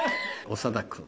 長田君。